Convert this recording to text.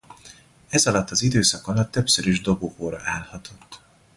Ez alatt az időszak alatt többször is dobogóra állhatott.